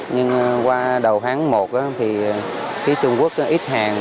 nhưng qua đầu tháng một khi trung quốc ít hàng